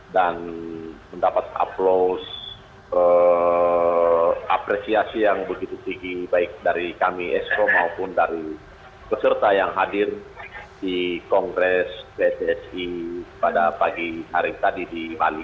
dan mendapat aplaus apresiasi yang begitu tinggi baik dari kami exo maupun dari peserta yang hadir di kongres pssi pada pagi hari tadi di bali